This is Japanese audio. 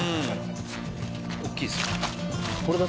大きいですね。